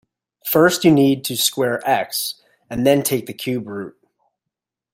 First you need to square x, and then take the cube root.